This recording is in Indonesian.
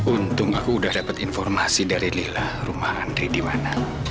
untung aku udah dapat informasi dari lila rumah antri di mana